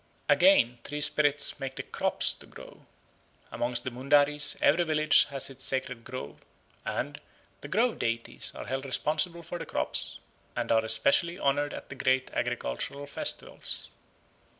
Again, tree spirits make the crops to grow. Amongst the Mundaris every village has its sacred grove, and "the grove deities are held responsible for the crops, and are especially honoured at all the great agricultural festivals."